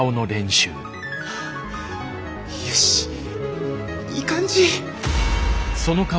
よしいい感じ。